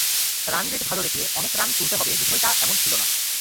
Run rate ভালো রেখে অনেক রান তুলতে হবে, বিষয়টা এমন ছিল না।